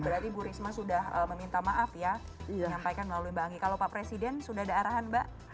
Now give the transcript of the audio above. berarti bu risma sudah meminta maaf ya disampaikan melalui mbak anggi kalau pak presiden sudah ada arahan mbak